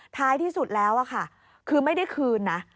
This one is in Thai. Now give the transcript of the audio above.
ท้ายที่สุดแล้วค่ะคือไม่ได้คืนนะ